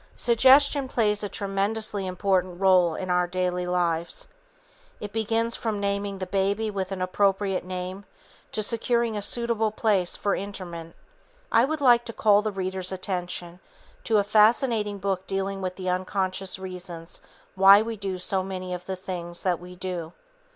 Suggestion plays a tremendously important role in our daily lives. It begins from naming the baby with an appropriate name to securing a suitable place for interment. I would like to call the reader's attention to a fascinating book dealing with the unconscious reasons why we do many of the things that we do.